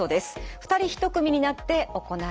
２人一組になって行います。